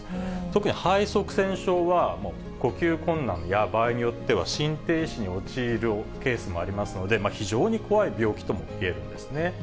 特に肺塞栓症は、呼吸困難や、場合によっては心停止に陥るケースもありますので、非常に怖い病気ともいえるんですね。